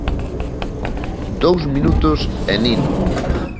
Dous minutos e Nino.